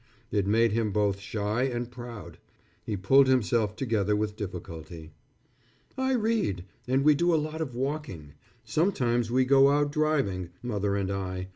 It made him both shy and proud. He pulled himself together with difficulty. "I read, and we do a lot of walking. Sometimes we go out driving, mother and I.